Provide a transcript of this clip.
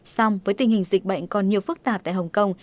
song với tình hình dịch bệnh còn nhiều phức tạp tại hồng kông